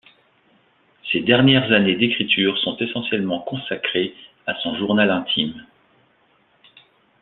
Ses dernières années d’écriture sont essentiellement consacrées à son journal intime.